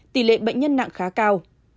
tỷ lệ bệnh nhân nặng khá cao